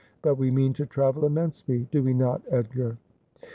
But we mean to travel immensely, do we not, Edgar?'